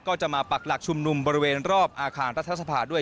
ก็จะมาปักหลักชุมนุมบริเวณรอบอาคารรัฐสภาด้วย